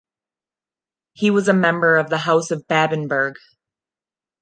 He was a member of the House of Babenberg.